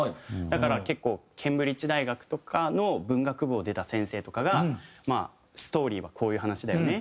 だから結構ケンブリッジ大学とかの文学部を出た先生とかが「ストーリーはこういう話だよね」